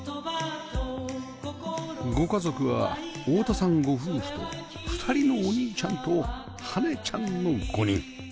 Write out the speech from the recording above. ご家族は太田さんご夫婦と２人のお兄ちゃんと羽ちゃんの５人